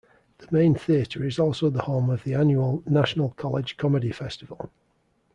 The main theater is also the home of the annual National College Comedy Festival.